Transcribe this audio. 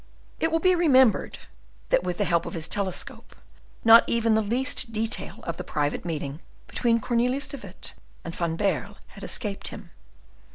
It will be remembered that, with the help of his telescope, not even the least detail of the private meeting between Cornelius de Witt and Van Baerle had escaped him.